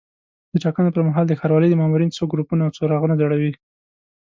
د ټاکنو پر مهال د ښاروالۍ مامورین څو ګروپونه او څراغونه ځړوي.